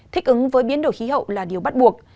thích ứng với biến đổi khí hậu là điều bắt buộc